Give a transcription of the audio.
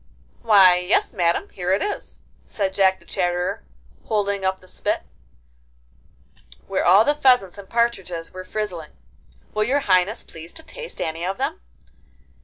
'Why yes, Madam, here it is,' said Jack the Chatterer, holding up the spit, where all the pheasants and partridges were frizzling. 'Will your Highness please to taste any of them?